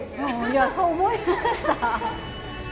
いやそう思いました。